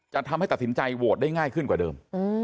ทำให้ตัดสินใจโหวตได้ง่ายขึ้นกว่าเดิม